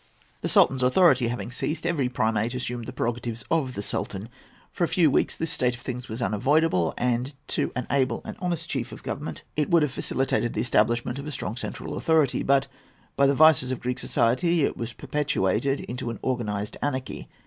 The Sultan's authority having ceased, every primate assumed the prerogatives of the Sultan. For a few weeks this state of things was unavoidable, and, to an able and honest chief or government, it would have facilitated the establishment of a strong central authority; but by the vices of Greek society it was perpetuated into an organised anarchy.